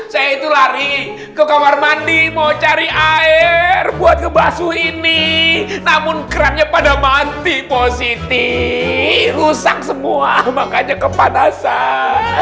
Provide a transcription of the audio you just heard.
saya itu lari ke kamar mandi mau cari air buat kebasuh ini namun kran nya pada manti positi rusak semua makanya kepanasan